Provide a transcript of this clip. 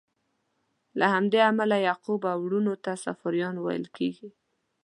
له همدې امله یعقوب او وروڼو ته صفاریان ویل کیږي.